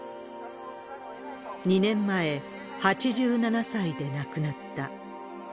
２年前、８７歳で亡くなった。